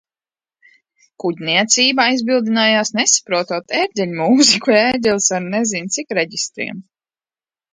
Kuģniecība aizbildinājās nesaprotot ērģeļmūziku. Ērģeles ar nezin cik reģistriem.